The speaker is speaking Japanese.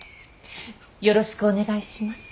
よろしくお願いします。